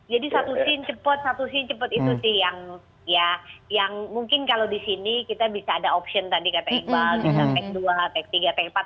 jadi satu scene cepet satu scene cepet itu sih yang ya yang mungkin kalau di sini kita bisa ada option tadi kata iqbal bisa take dua take tiga take empat